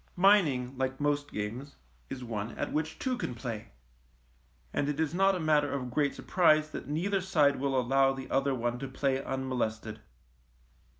Mining, like most games, is one at which two can play, and it is not a matter of great surprise that neither side will allow the other one to play unmolested.